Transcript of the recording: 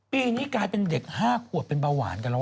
ปีนี้กลายเป็นเด็ก๕ขวบเป็นเบาหวานกันแล้ว